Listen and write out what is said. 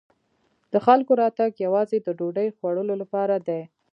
د خلکو راتګ یوازې د ډوډۍ خوړلو لپاره دی.